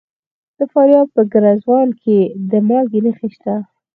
د فاریاب په ګرزوان کې د مالګې نښې شته.